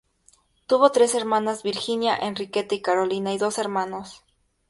Tuvo tres hermanas, Virginia, Enriqueta y Carolina, y dos hermanos.